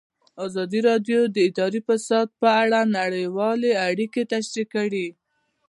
ازادي راډیو د اداري فساد په اړه نړیوالې اړیکې تشریح کړي.